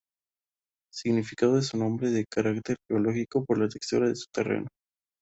Significado de su nombre:De carácter geológico, por la textura de su terreno.